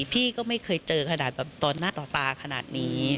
พี่ก็ไม่เคยเจอขนาดแบบตอนหน้าต่อตาขนาดนี้